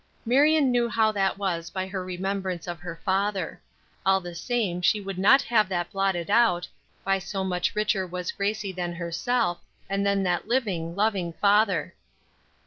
Marion knew how that was by her remembrance of her father. All the same she would not have that blotted out, by so much richer was Gracie than herself, and then that living, loving father.